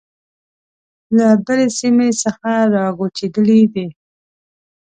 له بلې سیمې څخه را کوچېدلي دي.